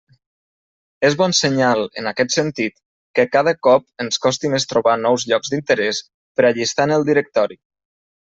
És bon senyal, en aquest sentit, que cada cop ens costi més trobar nous llocs d'interès per a llistar en el directori.